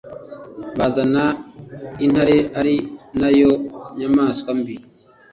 Bazana intare ari na yo nyamaswa mbi